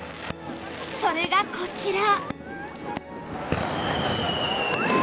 それがこちら